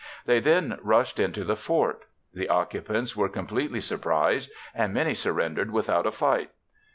They then rushed into the fort; the occupants were completely surprised and many surrendered without a fight.